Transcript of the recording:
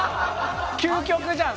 究極じゃん